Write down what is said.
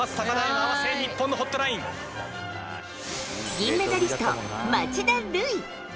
銀メダリスト、町田瑠唯。